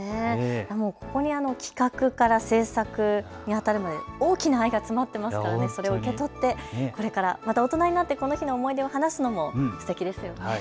ここに企画から制作にわたる大きな愛が詰まっていますから、それを受け取って大人になってこの日の思い出を話すのもすてきですよね。